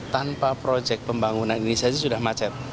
tanpa proyek pembangunan ini saja sudah macet